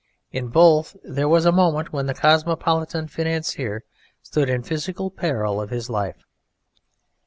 In both there was a moment when the cosmopolitan financier stood in physical peril of his life.